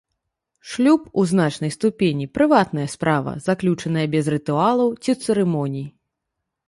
Шлюб у значнай ступені прыватная справа, заключаная без рытуалаў ці цырымоній.